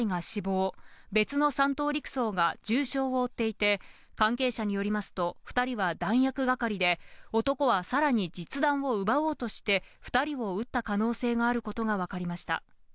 親１等陸曹５２歳が死亡、別の３等陸曹が重傷を負っていて、関係者によりますと２人は弾薬係で、男はさらに実弾を奪おうとして２人を撃った可能性があることがわかりました。